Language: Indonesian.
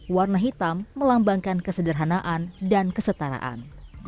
warna hitam melambangkan kesederhanaan dan kesetaraan